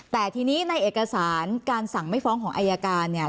แต่ทีนี้ในเอกสารการสั่งไม่ฟ้องของอายการเนี่ย